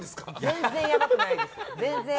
全然やばくない。